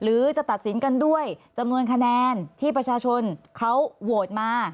จะตัดสินกันด้วยจำนวนคะแนนที่ประชาชนเขาโหวตมา